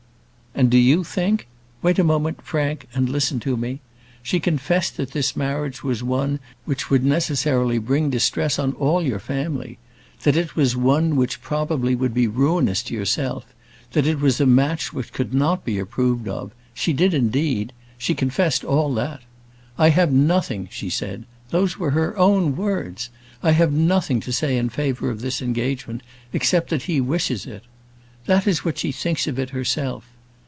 "And do you think " "Wait a moment, Frank, and listen to me. She confessed that this marriage was one which would necessarily bring distress on all your family; that it was one which would probably be ruinous to yourself; that it was a match which could not be approved of: she did, indeed; she confessed all that. 'I have nothing', she said those were her own words 'I have nothing to say in favour of this engagement, except that he wishes it.' That is what she thinks of it herself.